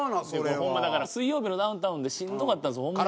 ホンマだから『水曜日のダウンタウン』でしんどかったんですホンマに。